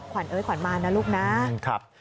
ขวัญเอ้ยขวัญมานะลูกนะ